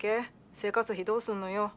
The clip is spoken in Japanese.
生活費どうすんのよ？